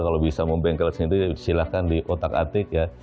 kalau bisa membengkel sendiri silakan di otak atik ya